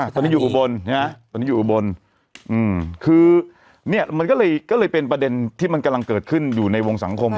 ตอนนี้อยู่อุบลคือเนี่ยมันก็เลยเป็นประเด็นที่มันกำลังเกิดขึ้นอยู่ในวงสังคม